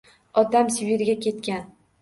— Otam Sibirga ketgan.